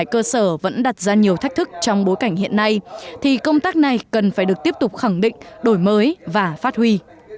công tác này cần phải được tiếp tục khẳng định đổi mới và phát huy